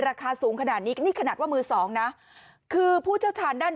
ราคาสูงขนาดนี้นี่ขนาดว่ามือสองนะคือผู้เชี่ยวชาญด้าน